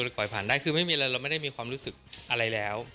ปล่อยผ่านได้คือไม่มีอะไรเราไม่ได้มีความรู้สึกอะไรแล้ว